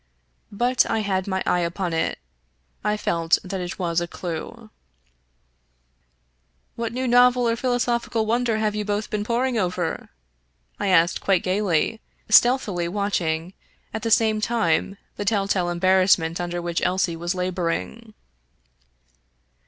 But I had my eye upon it. I felt that it was a clew. " What new novel or philosophical wonder have you both been poring over?" I asked quite gayly, stealthily watch ing at the same time the telltale embarrassment under which Elsie was laboring.